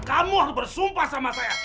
kamu harus bersumpah sama saya